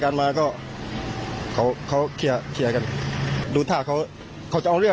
กันมาก็เขาเขาเคลียร์เคลียร์กันดูท่าเขาเขาจะเอาเรื่อง